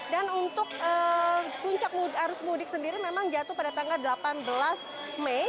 dan untuk puncak arus mudik sendiri memang jatuh pada tanggal delapan belas mei